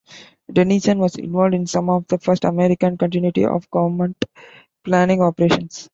Dennison was involved in some of the first American continuity of government planning operations.